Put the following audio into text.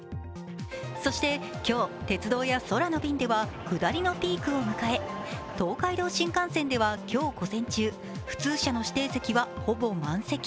そして今日、鉄道や空の便では下りのピークを迎え東海道新幹線では今日午前中普通車の指定席は、ほぼ満席。